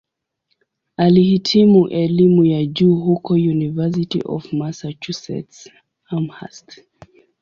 Alihitimu elimu ya juu huko "University of Massachusetts-Amherst".